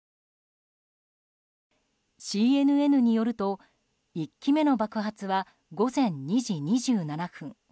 ＣＮＮによると１機目の爆発は午前２時２７分。